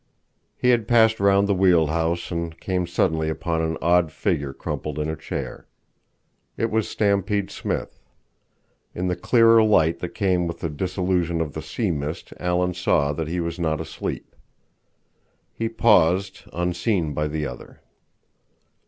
He had passed round the wheel house and came suddenly upon an odd figure crumpled in a chair. It was Stampede Smith. In the clearer light that came with the dissolution of the sea mist Alan saw that he was not asleep. He paused, unseen by the other.